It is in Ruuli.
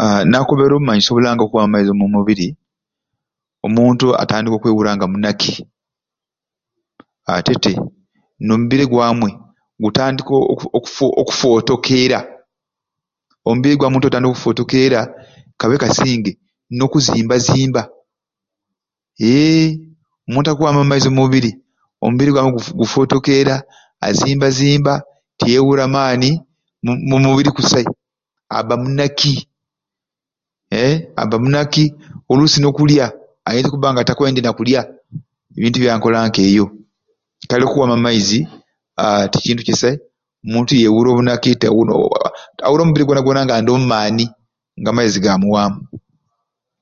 Haa nakobere obumanyisyo obulanga okuwaama amaizi omu mubiri omuntu atandikia okura nga munaki ate te n'omubiri gwamwei gutandika oku fotokeera omubiri gwa muntu gutandika oku fotokeera kabe kasinge nokuzimbz zimba eeh omuntu akuwamu amaizi omu mubiri omubiri gwamwei gufotokeera azimba zimba tiyewura maani mu mubiri kusai aba munaki eeh aba munaki olusi n'okulya aba takwendya kulya ebintu ebyankola nkeyo kale okuwamu amaizi haa tikintu kisai haa tikintu kisai omuntu awura nga talina maani nga amaizi gamuwamu